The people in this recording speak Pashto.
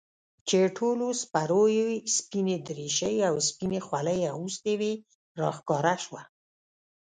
چې ټولو سپرو يې سپينې دريشۍ او سپينې خولۍ اغوستې وې راښکاره سوه.